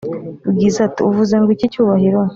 bwiza ati"uvuze ngwiki cyubahiro?"